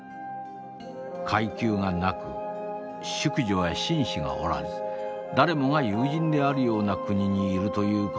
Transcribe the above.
階級がなく淑女や紳士がおらず誰もが友人であるような国にいるという事。